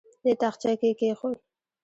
دې تاخچه کې یې کېښود.